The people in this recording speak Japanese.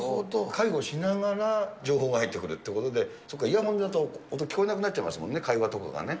介護しながら情報が入ってくるということで、そっか、イヤホンだと音聞こえなくなっちゃいますもんね、会話とかがね。